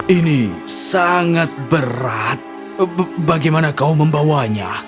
ini sangat berat bagaimana kau membawanya